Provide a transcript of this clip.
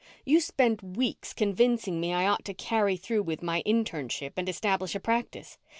You spent weeks convincing me I ought to carry through with my internship and establish a practice.